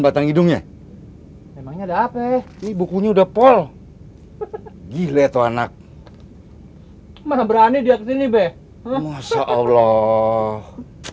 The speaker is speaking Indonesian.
batang hidungnya emangnya ada apa ya bukunya udah pol gila tuh anak masa berani dia sini be masa allah